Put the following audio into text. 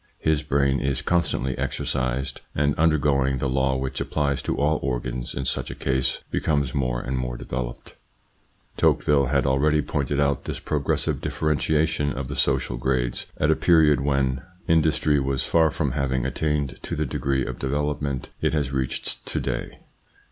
His brain is con stantly exercised, and, undergoing the law which applies to all organs in such a case, becomes more and more developed. Tocqueville had already pointed out this progressive differentiation of the social grades at a period when 42 THE PSYCHOLOGY OF PEOPLES: industry was far from having attained to the degree of development it has reached to day.